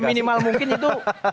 seminimal mungkin itu